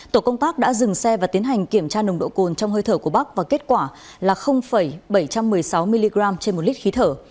tổ công tác đã dừng xe và tiến hành kiểm tra nồng độ cồn trong hơi thở của bắc và kết quả là bảy trăm một mươi sáu mg trên một lít khí thở